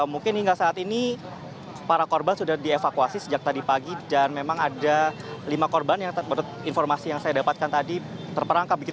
mungkin hingga saat ini para korban sudah dievakuasi sejak tadi pagi dan memang ada lima korban yang menurut informasi yang saya dapatkan tadi terperangkap